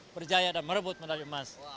berjaya dan merebut medali emas